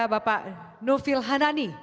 bapak nufil hanani